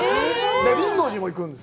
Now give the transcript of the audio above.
輪王寺も行くんです。